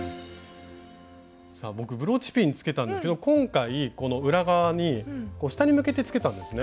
僕ブローチピンつけたんですけど今回この裏側に下に向けてつけたんですね。